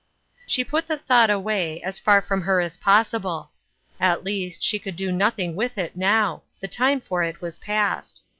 She put the thought away, as far from her as possible. At least, she could do nothing with it now ; the time for it was past.